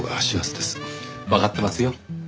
わかってますよ。